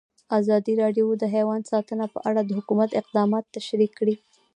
ازادي راډیو د حیوان ساتنه په اړه د حکومت اقدامات تشریح کړي.